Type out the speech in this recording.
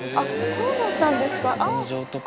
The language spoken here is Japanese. そうだったんですか。